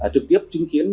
trực tiếp chứng kiến